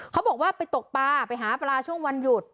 เขาบอกว่าไปตกปลาไปหาปลาช่วงวันหยุด